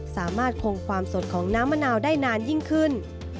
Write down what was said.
สามารถคงความสดของน้ำมะนาวได้นานยิ่งขึ้น